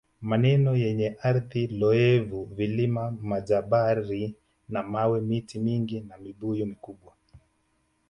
Maeneo yenye ardhi loevu Vilima Majabari ya mawe miti mingi na Mibuyu mikubwa